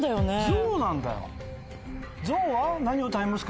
ゾウなんだよ。